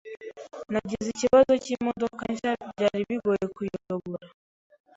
Nagize ikibazo cyimodoka nshya. Byari bigoye kuyobora.